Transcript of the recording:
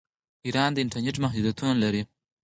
ایران د انټرنیټ محدودیتونه لري.